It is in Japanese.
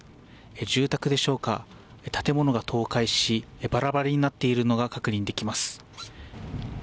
住宅でしょうか、建物が倒壊しバラバラになっているのが確認できます。